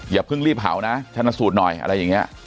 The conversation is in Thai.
อย่าเพิ่งรีบเผานะชนะสูตรหน่อยอะไรอย่างนี้